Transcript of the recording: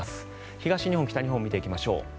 東日本、北日本を見ていきましょう。